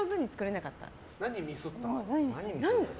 何をミスったんですか？